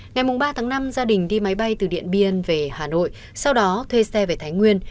ngày ba tháng năm gia đình đi máy bay từ điện biên về hà nội sau đó thuê xe về thái nguyên